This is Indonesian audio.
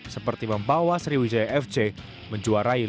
seperti membawa sriwijaya fc menjuarai liga